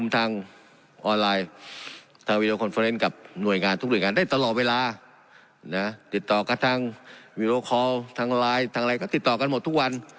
ทางออนไลน์ทางวีดีโอคอนเฟอร์เนนกับหน่วยงานทุกหน่วยงานได้ตลอดเวลานะติดต่อกับทางวีดีโอคอลทางไลน์ทางอะไรก็ติดต่อกันหมดทุกวัน